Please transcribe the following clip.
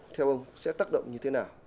theo ông sẽ tác động như thế nào